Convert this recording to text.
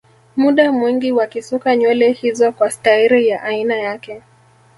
Muda mwingi wakisuka nywele hizo kwa stairi ya aina yake